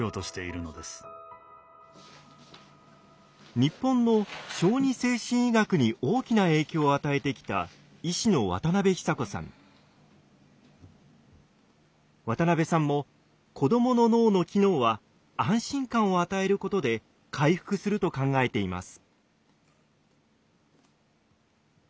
日本の小児精神医学に大きな影響を与えてきた渡辺さんも子どもの脳の機能は安心感を与えることで回復すると考えています。